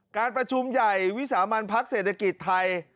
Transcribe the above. การประชุมใหญ่วิสามันพักเศรษฐกิจไทย